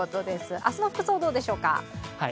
明日の服装はどうでしょうか？